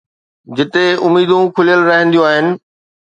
جتي اميدون کليل رهنديون آهن.